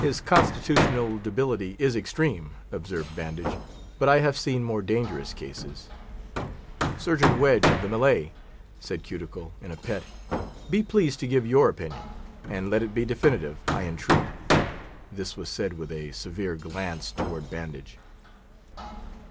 "His constitutional debility is extreme," observed Bandage, "but I have seen more dangerous cases." "Surgeon Wedge, of the Malay," said Cuticle, in a pet, "be pleased to give your opinion; and let it be definitive, I entreat:" this was said with a severe glance toward Bandage.